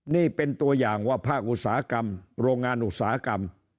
นี่เป็นตัวอย่างว่าภาคอุตสาหกรรมโรงงานอุตสาหกรรม